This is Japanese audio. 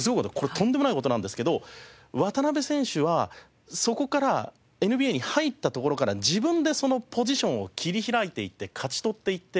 とんでもない事なんですけど渡邊選手はそこからＮＢＡに入ったところから自分でそのポジションを切り開いていって勝ち取っていって。